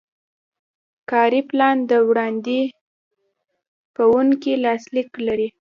کاري پلان د وړاندې کوونکي لاسلیک لري.